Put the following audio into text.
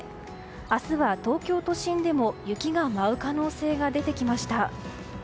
明日は、東京都心でも雪が舞う可能性が出てきました。